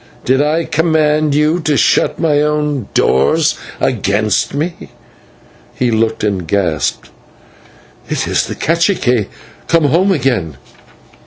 Did I command you to shut my own doors against me?" He looked and gasped: "It is the /cacique/ come home again!"